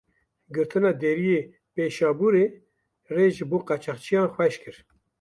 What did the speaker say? Girtina deriyê Pêşabûrê rê ji bo qaçaxçiyan xweş kir.